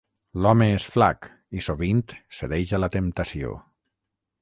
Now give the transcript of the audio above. L'home és flac i sovint cedeix a la temptació.